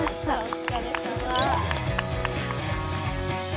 お疲れさま。